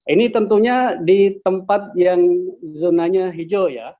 ini tentunya di tempat yang zonanya hijau ya